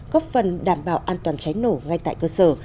góp phần đảm bảo an toàn cháy nổ ngay tại cơ sở